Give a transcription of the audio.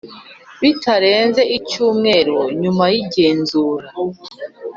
bitarenze icyumweru nyuma y igenzura